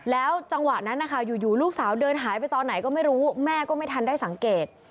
แล้วจังหวะนั้นนะคะอยู่ลูกสาวเดินหายไปตอนไหนก็ไม่รู้แม่ก็ไม่ทันได้สังเกต